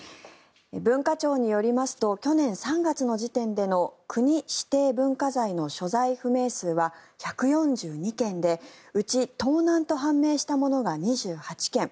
文化庁によりますと去年３月の時点での国指定文化財の所在不明数は１４２件でうち盗難と判明したものが２８件。